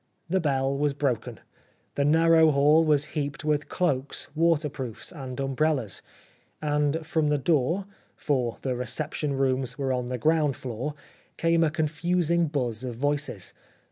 The bell was broken. The narrow hall was heaped with cloaks^ waterproofs, and umbrellas, and from the door — for the reception rooms were on the ground floor — came a confus ing buzz of voices.